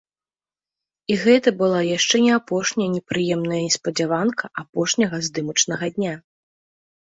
І гэта была яшчэ не апошняя непрыемная неспадзяванка апошняга здымачнага дня.